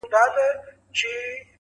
وايي د مُلا کتاب خاص د جنتونو باب!!